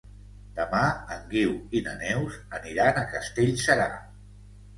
Demà en Guiu i na Neus aniran a Castellserà.